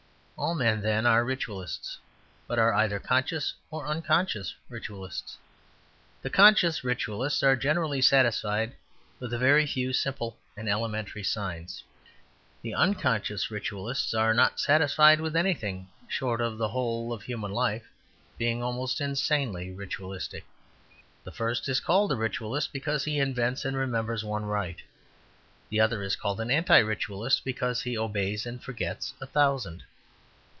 All men, then, are ritualists, but are either conscious or unconscious ritualists. The conscious ritualists are generally satisfied with a few very simple and elementary signs; the unconscious ritualists are not satisfied with anything short of the whole of human life, being almost insanely ritualistic. The first is called a ritualist because he invents and remembers one rite; the other is called an anti ritualist because he obeys and forgets a thousand.